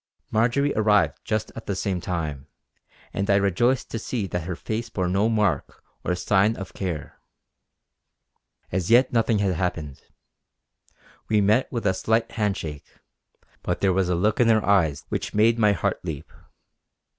Marjory arrived just at the same time, and I rejoiced to see that her face bore no mark or sign of care. As yet nothing had happened. We met with a slight hand shake; but there was a look in her eyes which made my heart leap.